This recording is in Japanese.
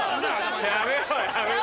やめろやめろ！